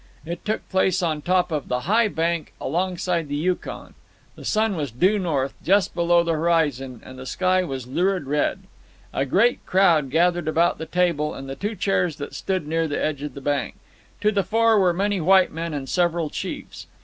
It took place on top of the high bank alongside the Yukon. The sun was due north just below the horizon, and the sky was lurid red. A great crowd gathered about the table and the two chairs that stood near the edge of the bank. To the fore were many white men and several chiefs.